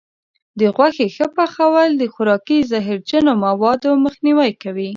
د غوښې ښه پخول د خوراکي زهرجنو موادو مخنیوی کوي.